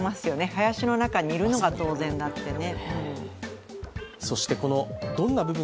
林の中にいるのが当然だってね。